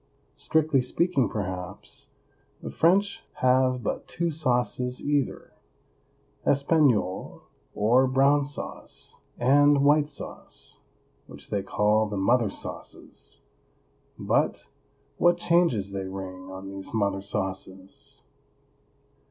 Strictly speaking, perhaps, the French have but two sauces either, espagnole, or brown sauce, and white sauce, which they call the mother sauces; but what changes they ring on these mother sauces!